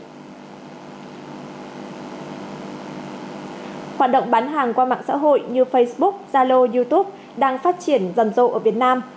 hoạt động bán hàng qua mạng xã hội như facebook zalo youtube đang phát triển rầm rộ ở việt nam